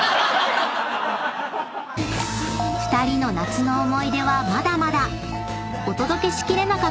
［２人の夏の思い出はまだまだ］